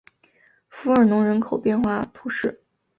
弗尔农人口变化图示